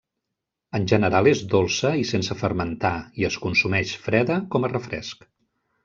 En general és dolça i sense fermentar, i es consumeix freda com a refresc.